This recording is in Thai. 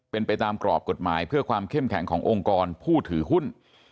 เป็นไปตามกรอบกฎหมายเพื่อความเข้มแข็งขององค์กรผู้ถือหุ้น